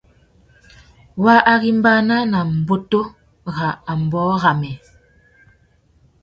Wa arimbana nà mbutu râ ambōh râmê.